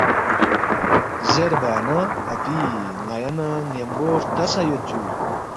زیربا نہ ”اپی ن٘یا نہ ن٘یمبو ہرتا سہ یود جُو